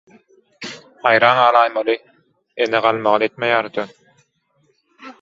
Haýran galaýmaly – ene galmagal etmeýär-de